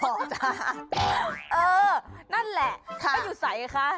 เออนั่นแหละอยู่ใสเหรอคะ